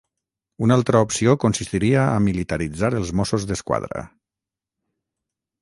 Una altra opció consistiria a militaritzar els Mossos d'Esquadra.